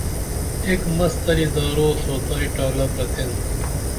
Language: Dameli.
ایک مس تلی دارو سوتائی ٹالہ پرتین